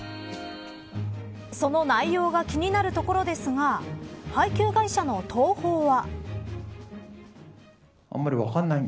その内容が気になるところですが配給会社の東宝は。